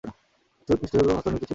চুস্ট্ মৃৎশিল্প হস্তনির্মিত ছিল।